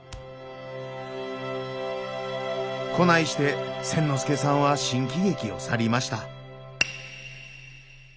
こないして千之助さんは新喜劇を去りました。